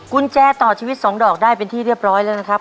กุญแจต่อชีวิต๒ดอกได้เป็นที่เรียบร้อยแล้วนะครับ